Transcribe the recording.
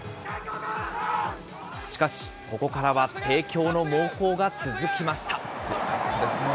しかし、ここからは帝京の猛攻が続きました。